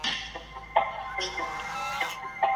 ساینس او ادب یو د بل ملګري دي.